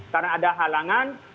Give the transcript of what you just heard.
karena ada halangan